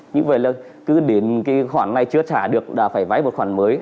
như vậy là cứ đến khoản này chưa trả được là phải vay một khoản mới